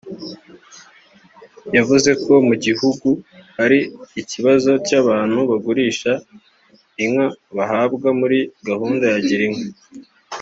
yavuze ko mu gihugu hari ikibazo cy’abantu bagurisha inka bahabwa muri gahunda ya Girinka